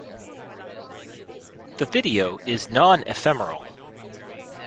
The video is non-ephemeral.